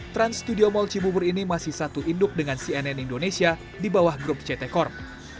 trans studio mall cibubur ini masih satu induk dengan cnn indonesia di bawah grup ct corp